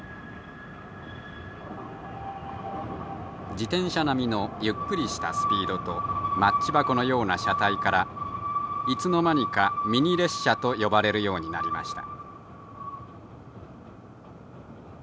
自転車並みのゆっくりしたスピードとマッチ箱のような車体からいつの間にかミニ列車と呼ばれるようになりました。